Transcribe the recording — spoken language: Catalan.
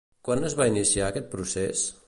Quan es va iniciar aquest procés?